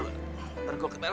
ntar gue ke perna